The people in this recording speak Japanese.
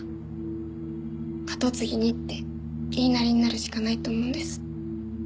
跡継ぎにって言いなりになるしかないと思うんです。